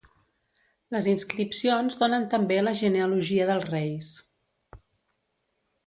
Les inscripcions donen també la genealogia dels reis.